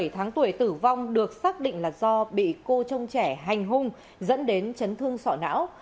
bảy tháng tuổi tử vong được xác định là do bị cô trong trẻ hành hung dẫn đến chấn thương sọ não